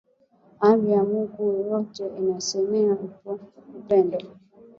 Amri ya Mungu yote inasemea upendo